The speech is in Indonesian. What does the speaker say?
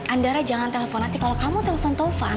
andara jangan telepon nanti kalau kamu telpon taufan